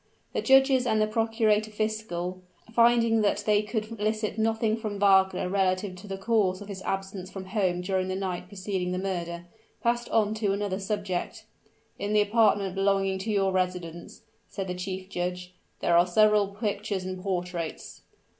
The judges and the procurator fiscal, finding that they could elicit nothing from Wagner relative to the cause of his absence from home during the night preceding the murder, passed on to another subject. "In an apartment belonging to your residence," said the chief judge, "there are several pictures and portraits."